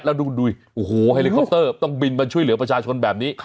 แล้วดูโอ้โหเฮลิคอปเตอร์ต้องบินมาช่วยเหลือประชาชนแบบนี้